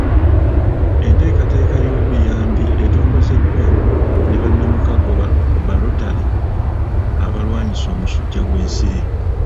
Enteekateeka y'obuyambi etongozeddwa ne bannamukago ba lotale abalwanyisa omusujja gw'ensiri.